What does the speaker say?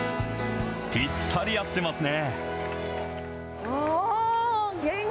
ぴったり合ってますね。